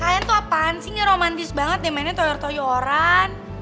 kalian tuh apaan sih ngeromantis banget deh mainnya toyor toyoran